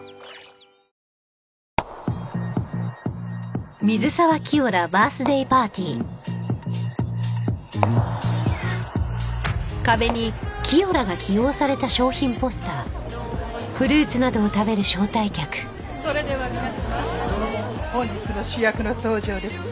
ニトリそれでは皆様本日の主役の登場です。